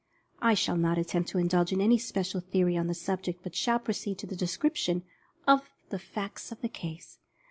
I shall not attempt to indulge in any special theory on the subject, but shall proceed to the description of the facts of the case.